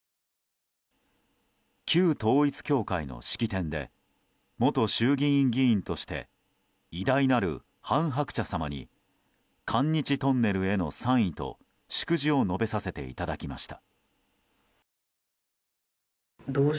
旧統一教会の式典で元衆議院議員として偉大なる韓鶴子様に韓日トンネルへの賛意と祝辞を述べさせていただきました。